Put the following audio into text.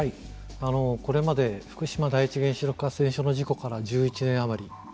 これまで福島第一原子力発電所の事故から１１年余り。